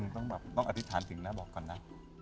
ต้องแบบต้องอธิษฐานสิ่งหน้าบอกก่อนนะ